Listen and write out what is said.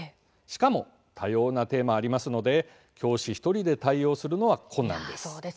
しかも多様なテーマ、ありますので教師１人で対応するのは困難です。